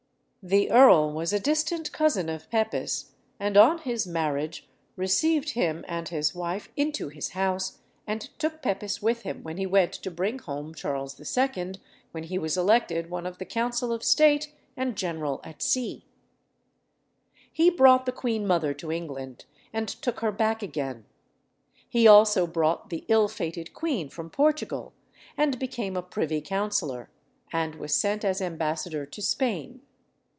The earl was a distant cousin of Pepys, and on his marriage received him and his wife into his house, and took Pepys with him when he went to bring home Charles II., when he was elected one of the Council of State and General at Sea. He brought the queen mother to England and took her back again. He also brought the ill fated queen from Portugal, and became a privy councillor, and was sent as ambassador to Spain.